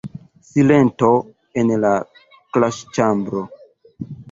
Silento en la klasĉambro.